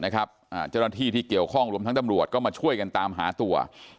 เจ้าหน้าที่ที่เกี่ยวข้องรวมทั้งตำรวจก็มาช่วยกันตามหาตัว